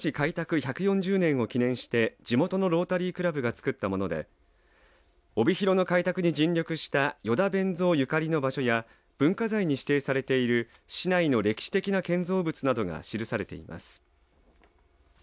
１４０年を記念して地元のロータリークラブが作ったもので帯広の開拓に尽力した依田勉三ゆかりの場所や文化財に指定されている市内の歴史的な建造物などが記されています。